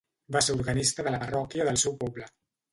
Va ser organista de la parròquia del seu poble.